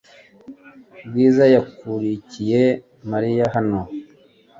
Bwiza yakurikiye Mariya hano .